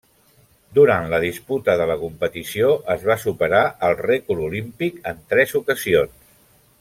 Durant la disputa de la competició es va superar el rècord olímpic en tres ocasions.